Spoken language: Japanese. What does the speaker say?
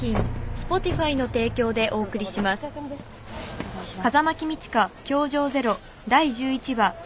お願いします。